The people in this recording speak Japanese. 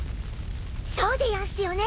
そうでやんすよね！